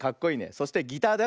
そしてギターだよ。